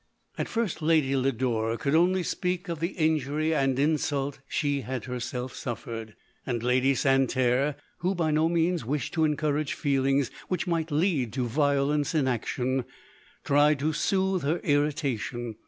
At first Lady Lodore could only speak of 156 LODORE. the injury and insult she had herself suffered; and Lady Santerre, who by no means wished to encourage feelings, which might lead to vio lence in action, tried to soothe her irritation.